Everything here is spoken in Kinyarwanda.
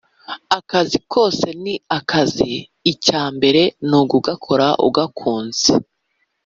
Akazi kose ni akazi icyambere nukugakora ugakunze